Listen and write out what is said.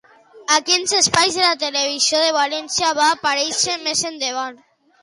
A quins espais de la televisió de València va aparèixer més endavant?